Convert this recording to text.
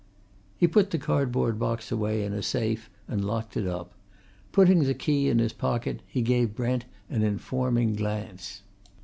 He put the cardboard box away in a safe and locked it up; putting the key in his pocket, he gave Brent an informing glance.